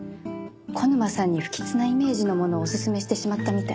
小沼さんに不吉なイメージのものをおすすめしてしまったみたい。